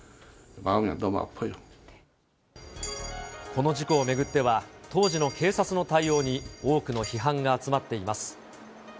この事故を巡っては、当時の警察の対応に多くの批判が集まっています。